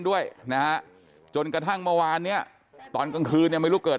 ด้วยนะฮะจนกระทั่งเมื่อวานเนี่ยตอนกลางคืนเนี่ยไม่รู้เกิด